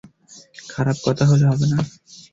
খারাপ কথা হলে হবে না?